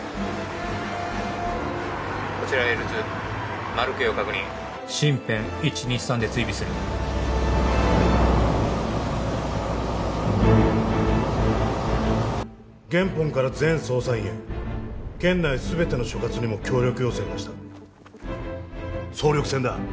こちらＬ２マルケイを確認シンペン１２３で追尾するゲンポンから全捜査員へ県内全ての所轄にも協力要請を出した総力戦だ